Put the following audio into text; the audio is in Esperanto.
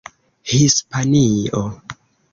Hispanio